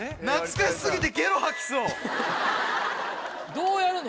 どうやるの？